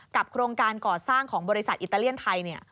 กับโครงการกอดสร้างของบริษัทอิตาเลียนไทยเนี่ย